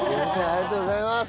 ありがとうございます。